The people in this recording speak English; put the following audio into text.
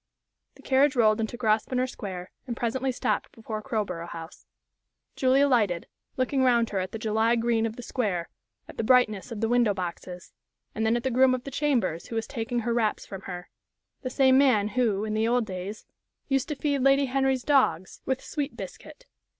The carriage rolled into Grosvenor Square, and presently stopped before Crowborough House. Julie alighted, looked round her at the July green of the square, at the brightness of the window boxes, and then at the groom of the chambers who was taking her wraps from her the same man who, in the old days, used to feed Lady Henry's dogs with sweet biscuit.